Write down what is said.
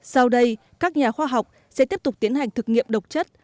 sau đây các nhà khoa học sẽ tiếp tục tiến hành thực nghiệm độc chất